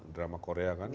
drama korea kan